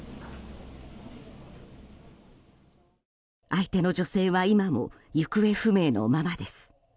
相手の女性は今も行方不明のままです。